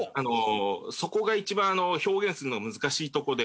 そこが一番表現するのが難しいとこで。